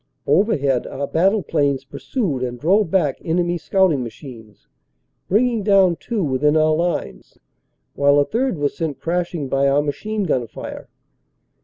Overhead our battle planes pur sued and drove back enemy scouting machines, bringing down two within our lines, while a third was sent crashing by our machine gun fire.